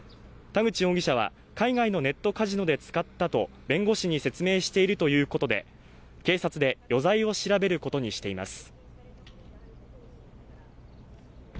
田口容疑者は海外のネットカジノで使ったと弁護士に説明しているということで警察で余罪を調べることにしています